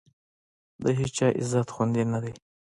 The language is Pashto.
د هېچا عزت خوندي نه دی.